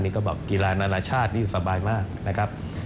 คนก็บอกกิราณานาชาติสบายมาก